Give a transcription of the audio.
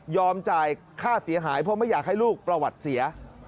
จ่ายค่าเสียหายเพราะไม่อยากให้ลูกประวัติเสีย